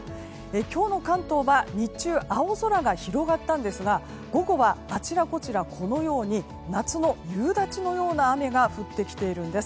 今日の関東は日中、青空が広がったんですが午後はあちらこちら夏の夕立のような雨が降ってきているんです。